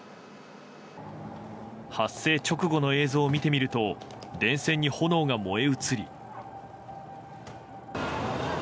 発生直後の映像を見てみると電線に炎が燃え移り。